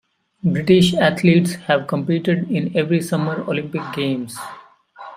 British athletes have competed in every Summer Olympic Games.